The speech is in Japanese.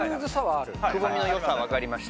くぼみの良さわかりました。